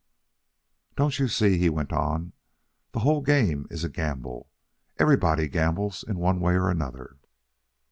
"Don't you see," he went on, "the whole game is a gamble. Everybody gambles in one way or another.